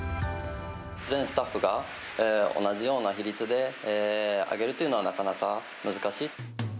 全スタッフが、同じような比率で上げるというのは、なかなか難しい。